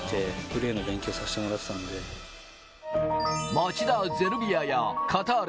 町田ゼルビアやカターレ